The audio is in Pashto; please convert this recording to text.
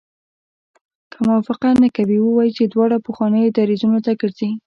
که موافقه نه کوي ووایي چې دواړه پخوانیو دریځونو ته ګرځي.